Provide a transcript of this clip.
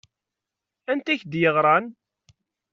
Anta i k-d-yeɣṛan?